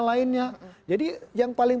lainnya jadi yang paling